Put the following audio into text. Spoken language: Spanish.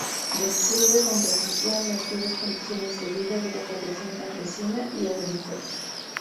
Describe con precisión las duras condiciones de vida de la población campesina y agrícola.